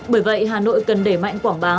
bởi vậy hà nội cần để mạnh quảng bá